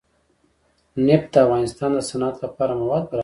نفت د افغانستان د صنعت لپاره مواد برابروي.